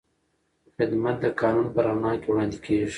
خدمت د قانون په رڼا کې وړاندې کېږي.